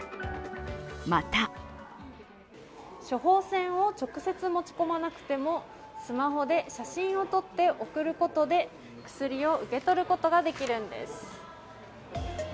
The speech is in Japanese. また処方箋を直接持ち込まなくてもスマホで写真を撮って送ることで薬を受け取ることができるんです。